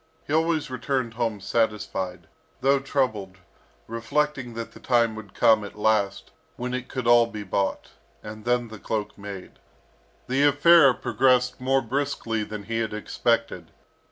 He always returned home satisfied, though troubled, reflecting that the time would come at last when it could all be bought, and then the cloak made. The affair progressed more briskly than he had expected.